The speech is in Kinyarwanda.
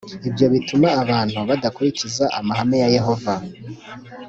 ibyo bituma abantu badakurikiza amahame ya yehova